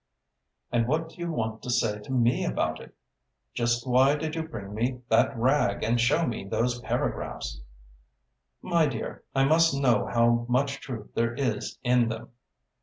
"And what do you want to say to me about it? Just why did you bring me that rag and show me those paragraphs?" "My dear, I must know how much truth there is in them.